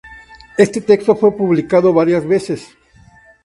Este texto fue publicado varias veces.